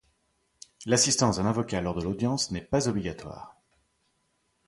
L'assistance d'un avocat lors de l'audience n'est pas obligatoire.